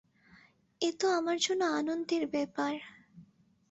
এ তো আমার জন্য আনন্দের ব্যাপার।